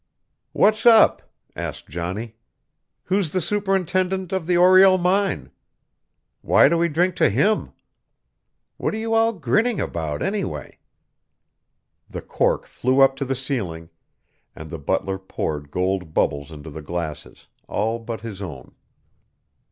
"What's up?" asked Johnny. "Who's the superintendent of the Oriel mine? Why do we drink to him? What are you all grinning about, anyway?" The cork flew up to the ceiling, and the butler poured gold bubbles into the glasses, all but his own.